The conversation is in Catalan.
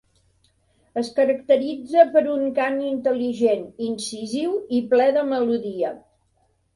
Es caracteritza per un cant intel·ligent, incisiu i ple de melodia.